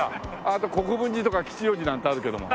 あと国分寺吉祥寺なんてあるけども。